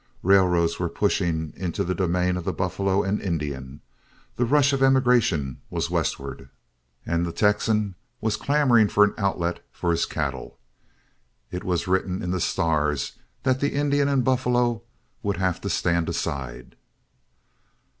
Railroads were pushing into the domain of the buffalo and Indian; the rush of emigration was westward, and the Texan was clamoring for an outlet for his cattle. It was written in the stars that the Indian and buffalo would have to stand aside.